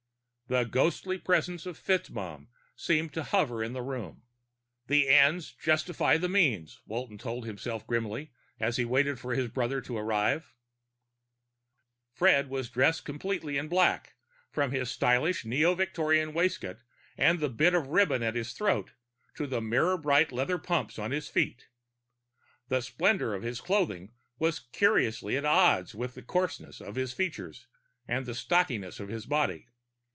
The ghostly presence of FitzMaugham seemed to hover in the room. The ends justify the means, Walton told himself grimly, as he waited for his brother to arrive. Fred was dressed completely in black, from his stylish neo Victorian waistcoat and the bit of ribbon at his throat to the mirror bright leather pumps on his feet. The splendor of his clothing was curiously at odds with the coarseness of his features and the stockiness of his body.